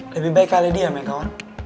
lebih baik kalian diam ya kawan